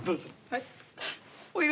はい。